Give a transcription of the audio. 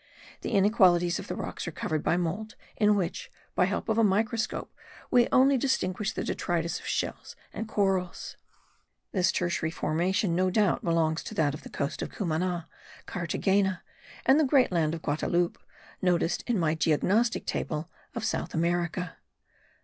The inequalities of the rocks are covered by mould, in which, by help of a microscope, we only distinguish the detritus of shells and corals. This tertiary formation no doubt belongs to that of the coast of Cumana, Carthagena, and the Great Land of Guadaloupe, noticed in my geognostic table of South America.